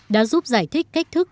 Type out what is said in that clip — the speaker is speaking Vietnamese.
đã giúp giải thích cách thức